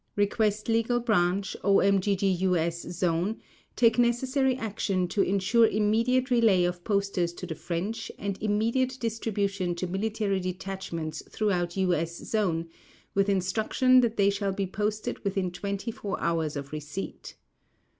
Request Legal Branch, OMGGUS Zone, take necessary action to insure immediate relay of posters to the French and immediate distribution to military detachments throughout US Zone with instruction that they shall be posted within 24 hours of receipt.